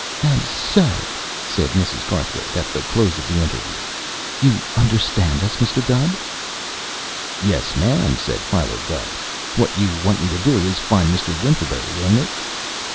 "And so," said Mrs. Garthwaite, at the close of the interview, "you understand us, Mr. Gubb?" "Yes, ma'am," said Philo Gubb. "What you want me to do, is to find Mr. Winterberry, ain't it?"